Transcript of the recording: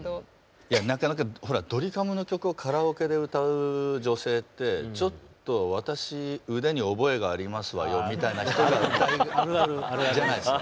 いやなかなかほらドリカムの曲をカラオケで歌う女性ってちょっと私腕に覚えがありますわよみたいな人が歌うじゃないですか。